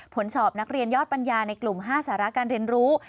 ผลสอบนักเรียนยอดปัญญาในกลุ่ม๕สาระการเรียนรู้